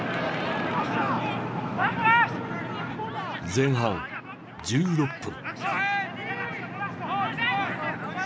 前半１６分。